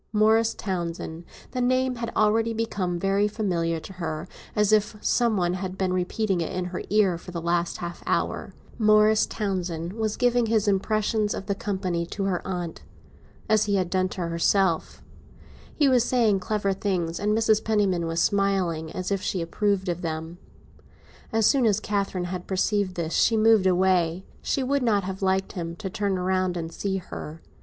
Morris Townsend—the name had already become very familiar to her, as if some one had been repeating it in her ear for the last half hour—Morris Townsend was giving his impressions of the company to her aunt, as he had done to herself; he was saying clever things, and Mrs. Penniman was smiling, as if she approved of them. As soon as Catherine had perceived this she moved away; she would not have liked him to turn round and see her.